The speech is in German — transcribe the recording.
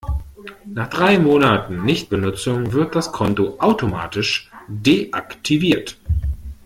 Nach drei Monaten Nichtbenutzung wird das Konto automatisch deaktiviert.